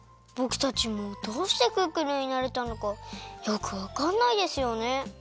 ぼくたちもどうしてクックルンになれたのかよくわかんないですよね。